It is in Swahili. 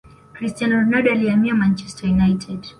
cristiano ronaldo alihamia manchester united